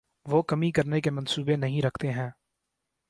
وہ کمی کرنے کے منصوبے نہیں رکھتے ہیں